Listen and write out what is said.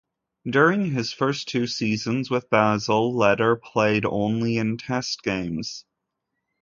During his first two seasons with Basel Leder played only in test games.